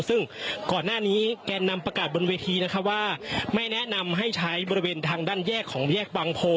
ซึ่งก่อนหน้านี้แกนนำประกาศบนเวทีนะคะว่าไม่แนะนำให้ใช้บริเวณทางด้านแยกของแยกบางโพ